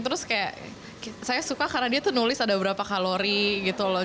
terus kayak saya suka karena dia tuh nulis ada beberapa kalori gitu loh